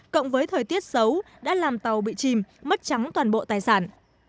cộng với thời tiết xấu đã làm tàu bị chìm mất trắng toàn bộ tài sản